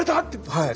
はい。